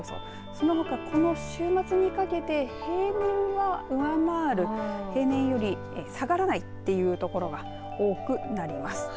そのほか、この週末にかけて平年が上回る平年より下がらないってところが多くなります。